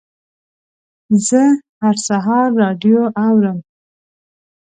زه هر سهار راډیو اورم.